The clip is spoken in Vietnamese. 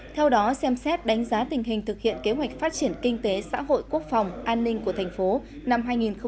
theo đó xem xét đánh giá tình hình thực hiện kế hoạch phát triển kinh tế xã hội quốc phòng an ninh của thành phố năm hai nghìn một mươi chín